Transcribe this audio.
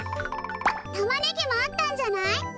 たまねぎもあったんじゃない？